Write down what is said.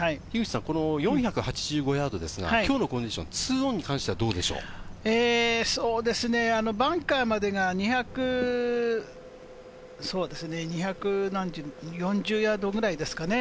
この４８５ヤードですが、このコンディションは２オンに関してはバンカーまでが２４０ヤードぐらいですかね。